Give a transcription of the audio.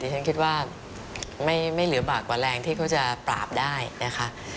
ฉันคิดว่าไม่เหลือบากกว่าแรงที่เขาจะปราบได้นะคะ